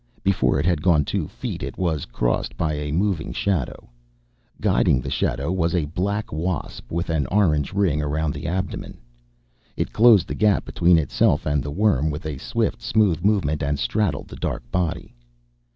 Before it had gone two feet, it was crossed by a moving shadow. Guiding the shadow was a black wasp with an orange ring around the abdomen. It closed the gap between itself and the worm with a swift, smooth movement and straddled the dark body.